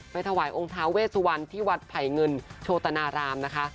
ถวายองค์ท้าเวสวันที่วัดไผ่เงินโชตนารามนะคะ